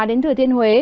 đến thừa thiên huế